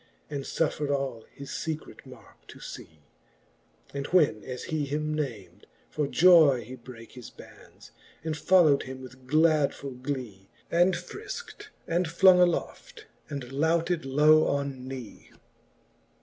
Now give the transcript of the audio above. And futfred all his fecret markc to fee : And when as he him nam'd, for joy he brake His bands, and folio wM him with gladfull glee, And frilkt, and flong aloft, and louted low on knee.